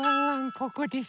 ここです。